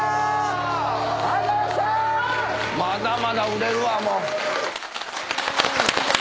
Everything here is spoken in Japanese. まだまだ売れるわ。